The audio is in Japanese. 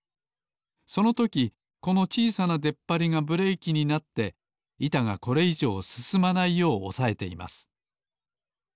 そのときこのちいさなでっぱりがブレーキになっていたがこれいじょうすすまないようおさえています。